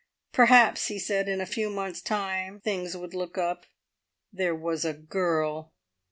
Perhaps, he said, in a few months' time things would look up. There was a girl.